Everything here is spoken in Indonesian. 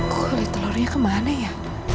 kulit telurnya kemana ya